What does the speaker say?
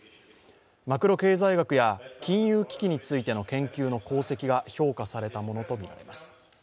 マクロ経済学や金融危機についての研究の功績が評価されたものとみられます。